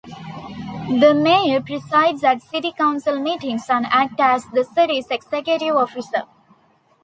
The Mayor presides at City Council meetings and acts as the city's executive officer.